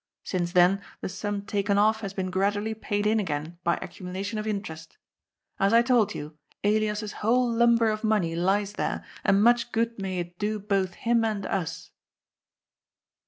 Since then the sum taken off has been gradu ally paid in again by accumulation of interest. As I told BROTHERS IN UNITY. 343 you, Elias^B whole lumber of money lies there, and much good may it do both him and us."